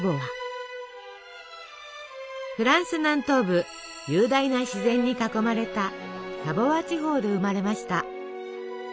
フランス南東部雄大な自然に囲まれたサヴォワ地方で生まれました。